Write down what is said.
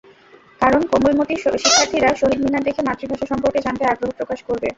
কারণ, কোমলমতি শিক্ষার্থীরা শহীদ মিনার দেখে মাতৃভাষা সম্পর্কে জানতে আগ্রহ প্রকাশ করবে।